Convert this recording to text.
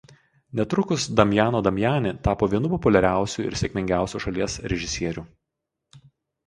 Netrukus Damiano Damiani tapo vienu populiariausių ir sėkmingiausių šalies režisierių.